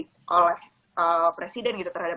yang oleh presiden gitu terhadap